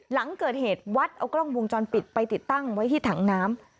หลังเกิดเหตุวัดเอากล้องวงจรปิดไปติดตั้งไว้ที่ถังน้ำ